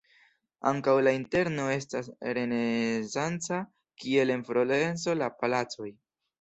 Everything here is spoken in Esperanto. Ankaŭ la interno estas renesanca, kiel en Florenco la palacoj.